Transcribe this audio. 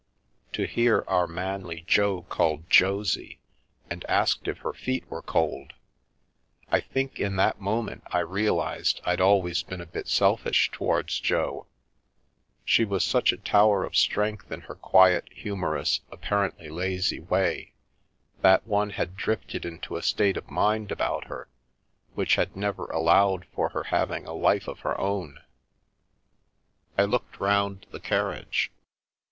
To hear our manly Jo called Josy, and asked if her feet were coldl I think in that moment I realised I'd always been a bit selfish towards Jo — she was such a tower of strength in her quiet, humorous, apparently lazy way, that one had drifted into a state of mind about her which had never allowed for her having a life of her own. I looked round the carriage.